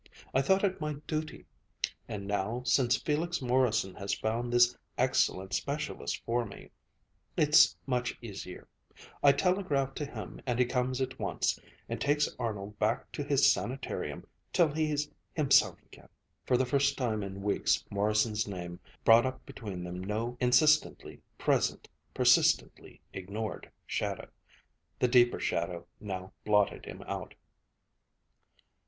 I thought it my duty. And now, since Felix Morrison has found this excellent specialist for me, it's much easier. I telegraph to him and he comes at once and takes Arnold back to his sanitarium, till he's himself again." For the first time in weeks Morrison's name brought up between them no insistently present, persistently ignored shadow. The deeper shadow now blotted him out.